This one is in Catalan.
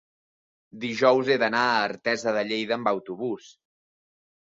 dijous he d'anar a Artesa de Lleida amb autobús.